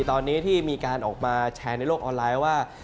ตอนนี้ที่มีการออกมาแชร์ในโลกออนไลน์ว่า